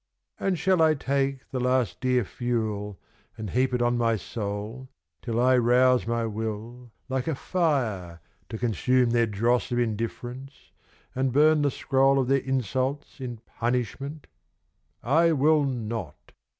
And shall I take The last dear fuel and heap it on my soul Till I rouse my will like a fire to consume Their dross of indifference, and burn the scroll Of their insults in punishment? I will not!